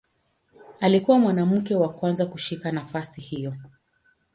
Alikuwa mwanamke wa kwanza kushika nafasi hiyo.